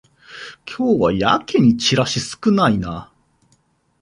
今日はやけにチラシ少ないな